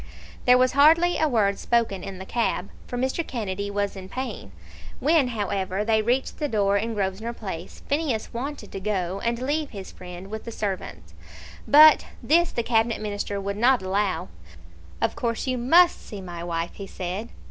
There was hardly a word spoken in the cab, for Mr. Kennedy was in pain. When, however, they reached the door in Grosvenor Place, Phineas wanted to go, and leave his friend with the servants, but this the Cabinet Minister would not allow. "Of course you must see my wife," he said.